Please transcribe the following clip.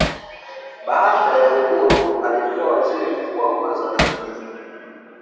Baada ya uhuru aliyekuwa waziri mkuu wa kwanza wa Tanzania